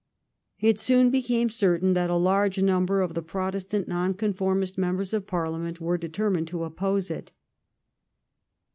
It soon became certain that a large number of the Protestant Non conformist Members of Parliament were determined to oppose it.